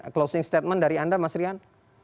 closing statement dari anda mas rian